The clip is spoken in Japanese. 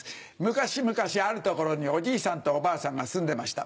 昔々ある所におじいさんとおばあさんが住んでました。